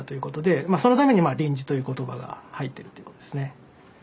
そのために「臨時」という言葉が入ってるってことですね。